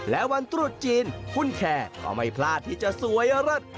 และวันตรุษจีนคุณแคร์ก็ไม่พลาดที่จะสวยเลิศ